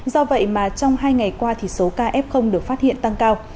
do vậy mà trong hai ngày qua thì số kf được phát hiện tăng cao